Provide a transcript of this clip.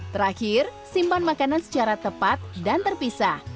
terakhir simpan makanan secara tepat dan terpisah